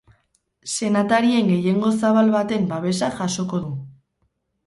Senatarien gehiengo zabal baten babesa jasoko du.